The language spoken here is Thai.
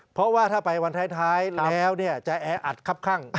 เพราะว่าถ้าไปวันท้ายแล้วจะแออัดครับข้าง